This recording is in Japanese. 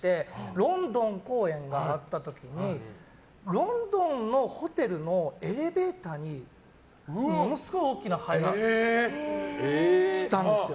ロンドン公演があった時にロンドンのホテルのエレベーターに、ものすごい大きなハエが来たんです。